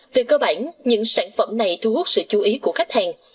về cơ bản những sản phẩm này thu hút sự chú ý của khách hàng